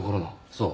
そう。